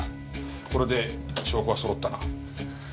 これで証拠はそろったな。